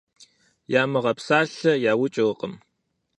Ямыгъэпсалъэ яукӀыркъым.